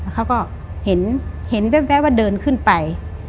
เขาก็เห็นแว๊บว่าเดินขึ้นไป